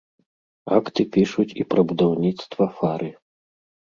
Акты пішуць і пра будаўніцтва фары.